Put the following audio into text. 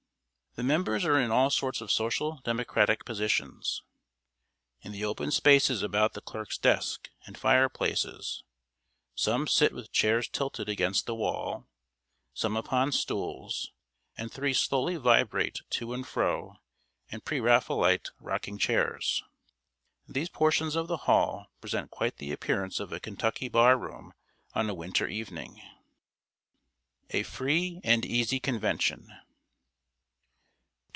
The members are in all sorts of social democratic positions. In the open spaces about the clerk's desk and fire places, some sit with chairs tilted against the wall, some upon stools, and three slowly vibrate to and fro in pre Raphaelite rocking chairs. These portions of the hall present quite the appearance of a Kentucky bar room on a winter evening. [Sidenote: A FREE AND EASY CONVENTION.